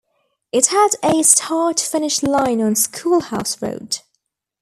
It had a start-finish line on Schoolhouse Road.